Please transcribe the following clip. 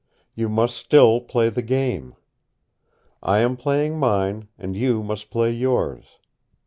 You must still play the game. I am playing mine, and you must play yours.